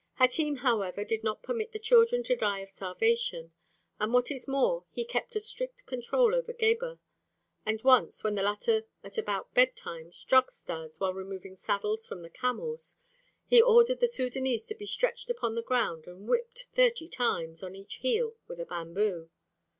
Hatim, however, did not permit the children to die of starvation, and what is more he kept a strict control over Gebhr; and once, when the latter at about bed time struck Stas while removing saddles from the camels, he ordered the Sudânese to be stretched upon the ground and whipped thirty times on each heel with a bamboo.